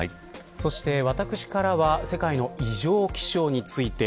そして、私からは世界の異常気象について。